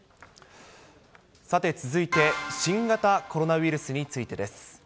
さて、続いて、新型コロナウイルスについてです。